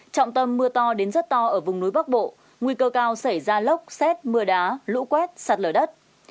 trọng tâm mưa to đến rất to ở vùng núi bắc bộ nguy cơ cao xảy ra lốc xét mưa đá lũ quét sạt lở đất